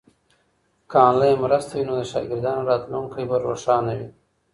که انلاین مرسته وي نو د شاګردانو راتلونکی به روښانه وي.